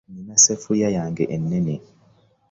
Nina seffuliya yange ennene.